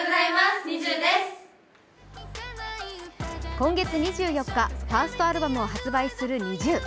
今月２４日、ファーストアルバムを発売するＮｉｚｉＵ。